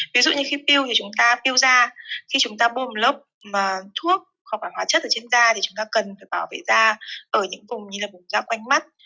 ví dụ như khi piêu thì chúng ta piêu da khi chúng ta buông lốc thuốc hoặc hóa chất ở trên da thì chúng ta cần phải bảo vệ da ở những vùng như là vùng da quanh mắt